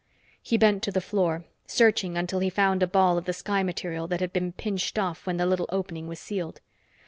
He bent to the floor, searching until he found a ball of the sky material that had been pinched off when the little opening was sealed.